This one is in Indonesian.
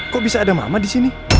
kok bisa ada mama di sini